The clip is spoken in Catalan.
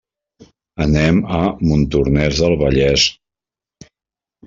Anem a Montornès del Vallès.